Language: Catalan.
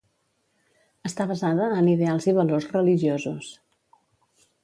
Està basada en ideals i valors religiosos.